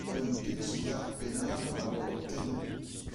Un dek soudard bennak a oa o tennañ.